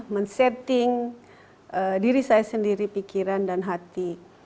men setting diri saya sendiri pikiran dan hati